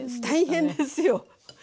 大変ですよ。